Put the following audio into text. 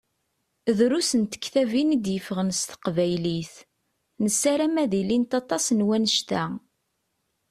Drus n tektabin i d-yeffɣen s teqbaylit, nessaram ad ilint aṭas n wannect-a.